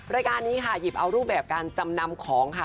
รายการนี้ค่ะหยิบเอารูปแบบการจำนำของค่ะ